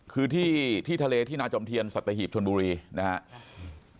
คือที่ทะเลที่นาจอมเทียนสัตเทฮีบทวนบุรีนะฮะ